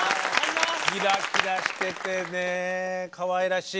キラキラしててねえかわいらしい。